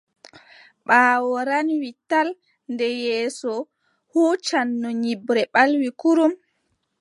Ɓaawo ranwi tal nde yeeso huucanno nyiɓre ɓalwi kurum.